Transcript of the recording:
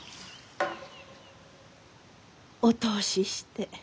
お通しして。